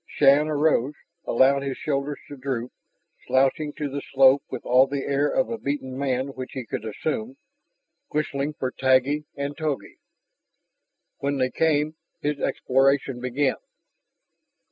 Shann arose, allowed his shoulders to droop, slouching to the slope with all the air of a beaten man which he could assume, whistling for Taggi and Togi. When they came, his exploration began.